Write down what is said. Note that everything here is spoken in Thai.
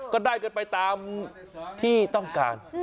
ก็ได้กันไปตามที่ต้องการ